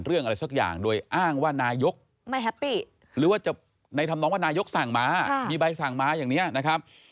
เพื่อให้ผู้ชายศัตริย์แข็งกันก่อนในการพิจารณา